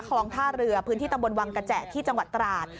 คลองท่าเรือพื้นที่ตำบลวังกระแจที่จังหวัดตราด